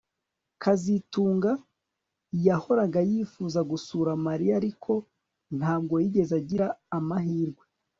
kazitunga yahoraga yifuza gusura Mariya ariko ntabwo yigeze agira amahirwe